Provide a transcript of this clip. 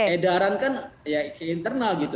edaran kan ya ke internal gitu